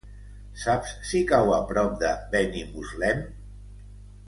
Saps si cau a prop de Benimuslem?